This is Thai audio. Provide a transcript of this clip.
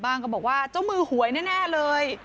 ก็บอกว่าเจ้ามือหวยแน่เลย